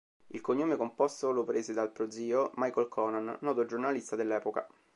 Il cognome composto lo prese dal prozio Michael Conan, noto giornalista dell'epoca.